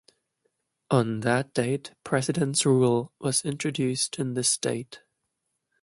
On that date President's Rule was introduced in the state.